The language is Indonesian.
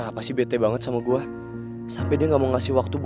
apa gue manfaatin aja bisnis geng serigala